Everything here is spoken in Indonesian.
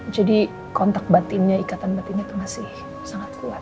jadi kontak batinnya ikatan batinnya itu masih sangat berhenti